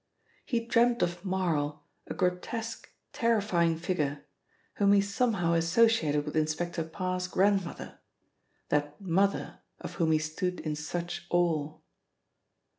He dreamt of Marl, a grotesque terrifying figure, whom he somehow associated with Inspector Parr's grandmother that "mother" of whom he stood in such awe.